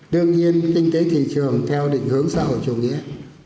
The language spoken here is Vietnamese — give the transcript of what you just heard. đương nhiên kinh tế thị trường theo định hướng xã hội chủ nghĩa